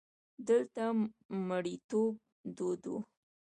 دلته مریتوب دود وو.